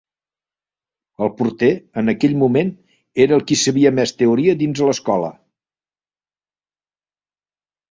El porter, en aquell moment, era el qui sabia més Teoria dins l'Escola